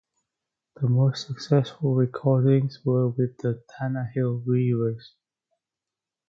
The most successful recordings were with the Tannahill Weavers.